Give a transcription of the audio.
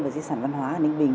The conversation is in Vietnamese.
và di sản văn hóa ninh bình